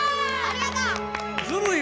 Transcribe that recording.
ありがとう！